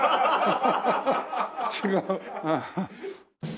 違う？